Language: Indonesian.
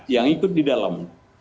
yang ikut di dalam